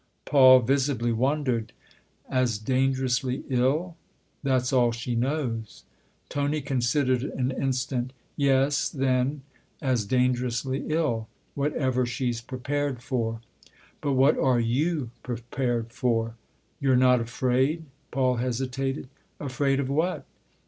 Paul visibly wondered. " As dangerously ill ? That's all she knows." Tony considered an instant. "Yes, then as dangerously ill. Whatever she's prepared for." " But what are you prepared for ? You're not afraid ?" Paul hesitated. "Afraid of what?"